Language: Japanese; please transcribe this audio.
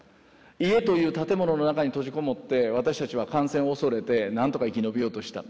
家という建物の中に閉じこもって私たちは感染を恐れて何とか生き延びようとした。